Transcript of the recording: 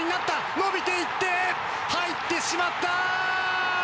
伸びていって入ってしまった！